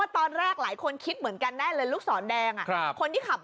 ต้องแยกนี้ค่ะ